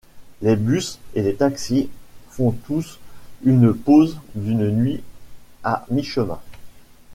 Les bus et les taxis font tous une pause d'une nuit à mi-chemin.